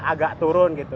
agak turun gitu